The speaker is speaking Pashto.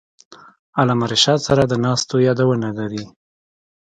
علامه رشاد سره د ناستو یادونه لري.